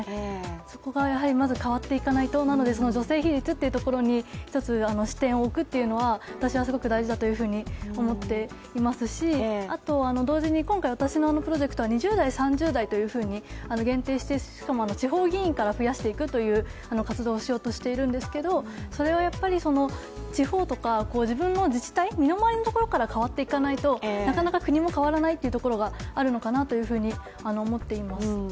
そこがまず変わっていかないと、なので女性比率というところに一つ視点を置くというのは私はすごく大事だと思っていますしあとは同時に、今回私のプロジェクトは２０代、３０代というふうに限定して、しかも地方議員から増やしていくという活動をしようとしているんですけど、それは地方とか、自分の自治体身の回りのところから変わっていかないとなかなか国も変わらないというところがあるのかなと思っています。